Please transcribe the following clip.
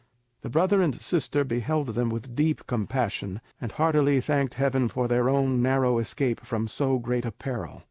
The brother and sister beheld them with deep compassion, and heartily thanked heaven for their own narrow escape from so great a peril.